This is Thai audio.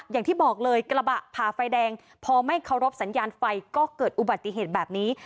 อย่างที่บอกเลยกระบะผ่าไฟแดงพอไม่เคารพสัญญาณไฟก็เกิดอุบัติเหตุแบบนี้